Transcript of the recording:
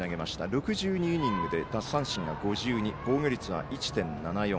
６２イニングで奪三振が５２防御率は１．７４。